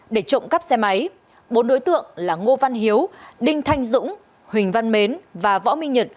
để trộm cắp xe máy bốn đối tượng là ngô văn hiếu đinh thanh dũng huỳnh văn mến và võ minh nhật